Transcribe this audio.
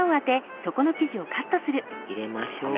入れましょう。